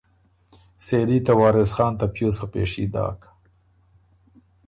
سېلي ته وارث خان ته پیوز په پېشي داک۔